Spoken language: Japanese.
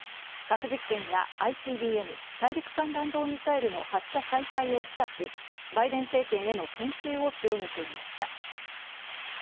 核実験やＩＣＢＭ＝大陸間弾道ミサイルの発射再開を示唆し、バイデン政権への牽制を強めていました。